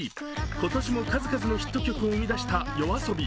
今年も数々のヒット曲を生み出したＹＯＡＳＯＢＩ。